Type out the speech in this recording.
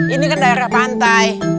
ini kan daerah pantai